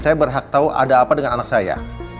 saya berhak tahu ada apa dengan anak saya